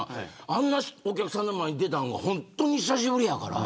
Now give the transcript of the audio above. あんなお客さんの前に出たのが本当に久しぶりやから。